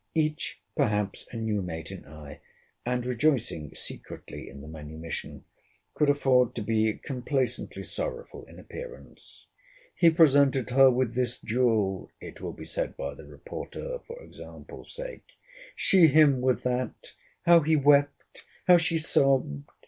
Each, perhaps, a new mate in eye, and rejoicing secretly in the manumission, could afford to be complaisantly sorrowful in appearance. 'He presented her with this jewel, it will be said by the reporter, for example sake: she him with that. How he wept! How she sobb'd!